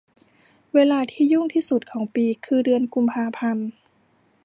เวลาที่ยุ่งที่สุดของปีคือเดือนกุมภาพันธ์